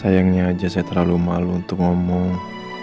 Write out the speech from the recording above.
sayangnya aja saya terlalu malu untuk ngomong